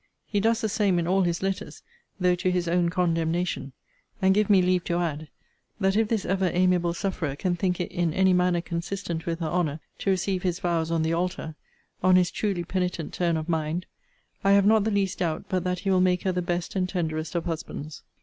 He does the same in all his letters, though to his own condemnation: and, give me leave to add, that if this ever amiable sufferer can think it in any manner consistent with her honour to receive his vows on the altar, on his truly penitent turn of mind, I have not the least doubt but that he will make her the best and tenderest of husbands.